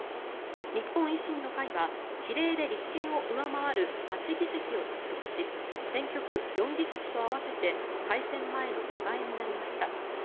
日本維新の会は比例で立憲を上回る８議席を獲得し選挙区４議席と合わせて改選前の２倍になりました。